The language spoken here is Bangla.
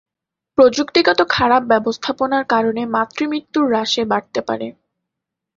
প্রযুক্তিগত খারাপ ব্যবস্থাপনার কারণে মাতৃ মৃত্যুর হ্রাসে বাড়তে পারে।